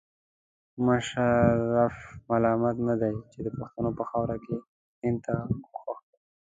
مشرف ملامت نه دی چې د پښتنو په خاوره کې هند ته ګواښ کوي.